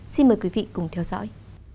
xin mời quý vị cùng theo dõi